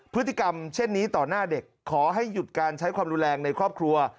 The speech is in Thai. พฤติกรรมเช่นนี้ต่อหน้าเด็กขอให้หยุดการใช้ความรุนแรงในครอบครัว